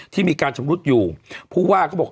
ที่มีการชำรุดอยู่ผู้ว่าก็บอก